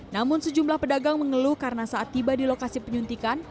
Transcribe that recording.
namun sejumlah pedagang mengeluh karena saat tiba di lokasi penyuntikan